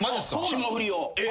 霜降りを。